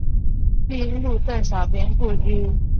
并入邓小平故居。